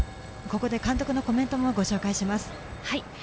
ここで監督のコメントもご紹介します。